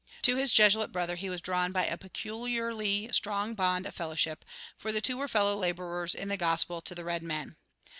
To his Jesuit brother he was drawn by a peculiarly strong bond of fellowship, for the two were fellow laborers in the gospel to the red men.